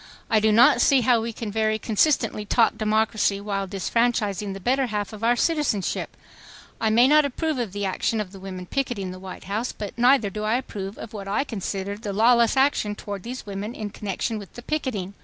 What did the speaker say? I do not see how we can very consistently talk democracy while disfranchising the better half of our citizenship—I may not approve of the action of the women picketing the White House, but neither do I approve of what I consider the lawless action toward these women in connection with the picketing